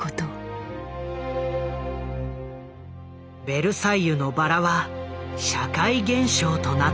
「ベルサイユのばら」は社会現象となった。